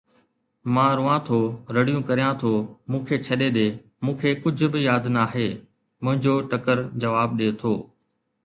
مان روئان ٿو، رڙيون ڪريان ٿو، مون کي ڇڏي ڏي، مون کي ڪجهه به ياد نه آهي، منهنجو ٽِڪر جواب ڏئي ٿو